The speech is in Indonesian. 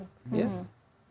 ketika sudah selesai